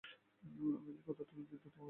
আমি যে কতোটা লজ্জিত তোমাকে বলে বোঝাতে পারব না!